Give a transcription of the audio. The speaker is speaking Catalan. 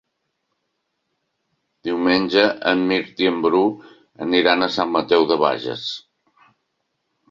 Diumenge en Mirt i en Bru aniran a Sant Mateu de Bages.